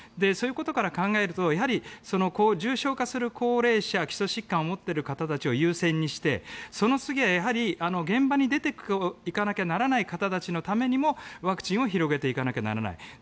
そういうことから考えると重症化する高齢者基礎疾患を持っている方たちを優先にしてその次は現場に出ていかなきゃならない方たちのためにもワクチンを広げていかなきゃならない。